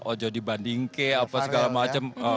ojo di bandingke apa segala macam